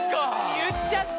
言っちゃった。